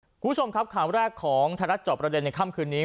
คุณผู้ชมครับข่าวแรกของไทยรัฐจอบประเด็นในค่ำคืนนี้